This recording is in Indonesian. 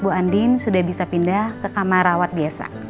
bu andin sudah bisa pindah ke kamar rawat biasa